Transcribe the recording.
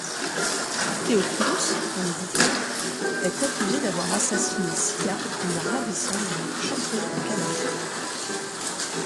Théophilos, un éditeur, est accusé d'avoir assassiné Sia, une ravissante chanteuse de cabaret.